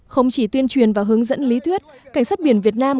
không chỉ tuyên truyền và hướng dẫn lý thuyết cảnh sát biển việt nam